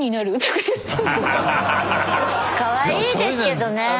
かわいいですけどね。